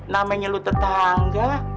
namanya lo tetangga